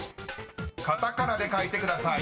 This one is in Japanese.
［カタカナで書いてください］